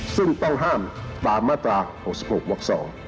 ซึ่งต้องห้ามตามมาตรา๖๖วัก๒